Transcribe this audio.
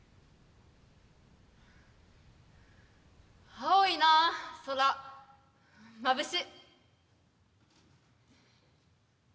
青いなあ空まぶし。